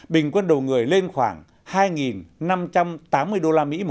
bình quân đầu người lên khoảng hai năm trăm tám mươi usd một